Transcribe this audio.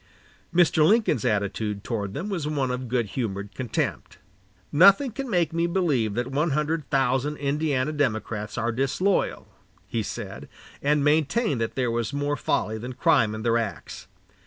Mr. Lincoln's attitude toward them was one of good humored contempt. "Nothing can make me believe that one hundred thousand Indiana Democrats are disloyal," he said; and maintained that there was more folly than crime in their acts.